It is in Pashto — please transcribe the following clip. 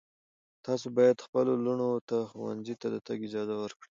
تاسو باید خپلو لوڼو ته ښوونځي ته د تګ اجازه ورکړئ.